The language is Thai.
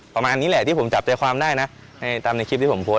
ประมาณนี้แหละที่ผมจับใจความได้นะในตามในคลิปที่ผมโพสต์